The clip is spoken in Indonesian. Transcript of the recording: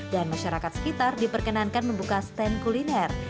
dan masyarakat sekitar diperkenankan membuka stand kuliner